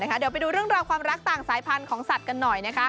เดี๋ยวไปดูเรื่องราวความรักต่างสายพันธุ์ของสัตว์กันหน่อย